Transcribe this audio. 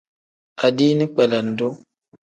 Adiini kpelendu.